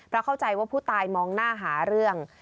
เพราะเข้าใจว่าผู้ตายมองหน้าหาเรื่อง